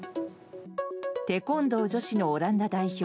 テコンドー女子のオランダ代表